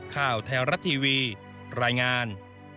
ข่าวแท้รัฐทีวีรายงาน